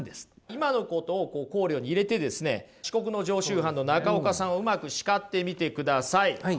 今のことを考慮に入れてですね遅刻の常習犯の中岡さんをうまく叱ってみてください。